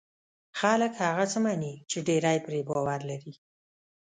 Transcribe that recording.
خلک هغه څه مني چې ډېری پرې باور لري.